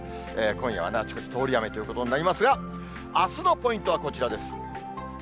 今夜はあちこち通り雨ということになりますが、あすのポイントはこちらです。